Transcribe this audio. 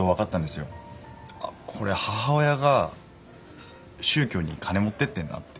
あっこれ母親が宗教に金持ってってんなって。